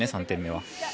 ３点目は。